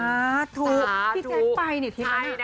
สาธุที่ใจไปเนี้ยที่ไหน